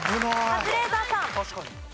カズレーザーさん。